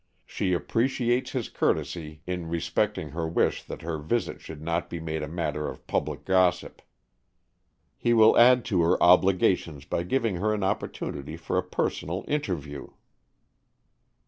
She appreciates his courtesy in respecting her wish that her visit should not be made a matter of public gossip. He will add to her obligations by giving her an opportunity for a personal interview."